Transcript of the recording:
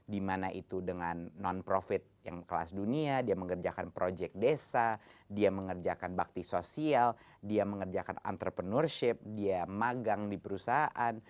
dimana itu dengan non profit yang kelas dunia dia mengerjakan proyek desa dia mengerjakan bakti sosial dia mengerjakan entrepreneurship dia magang di perusahaan